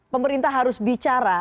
pemerintah harus bicara